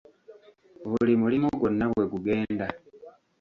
Buli mulimo gwonna bwe gugenda.